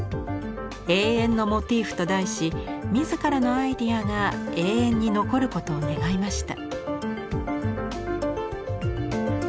「永遠のモティーフ」と題し自らのアイデアが永遠に残ることを願いました。